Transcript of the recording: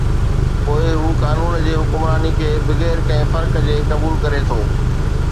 پوءِ هو قانون جي حڪمراني کي بغير ڪنهن فرق جي قبول ڪري ٿو.